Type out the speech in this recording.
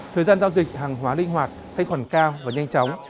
thời gian giao dịch hàng hóa linh hoạt thanh khoản cao và nhanh chóng